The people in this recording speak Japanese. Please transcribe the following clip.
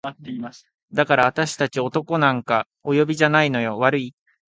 「だからあたし達男なんかお呼びじゃないのよ悪い？」